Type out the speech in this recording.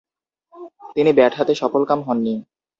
তিনি ব্যাট হাতে সফলকাম হননি।